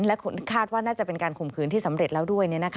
และคาดว่าน่าจะเป็นการข่มขืนที่สำเร็จแล้วด้วย